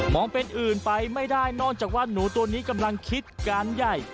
องเป็นอื่นไปไม่ได้นอกจากว่าหนูตัวนี้กำลังคิดการใหญ่